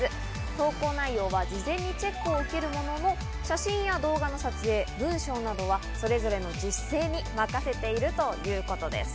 投稿内容は事前にチェックを受けるものの、写真や動画の撮影、文章などはそれぞれの自主性に任せているということです。